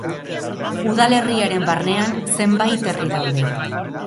Udalerriaren barnean zenbait herri daude.